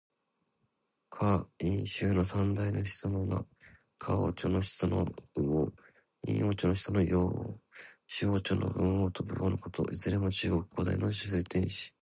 夏、殷、周の三代の始祖の名。夏王朝の始祖の禹王。殷王朝の始祖の湯王。周王朝の文王と武王のこと。いずれも中国古代の聖天子。